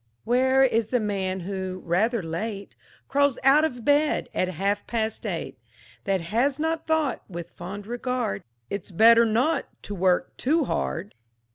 Where is the man who, rather late, Crawls out of bed at half past eight, That has not thought, with fond regard, "It's better not to work too hard?"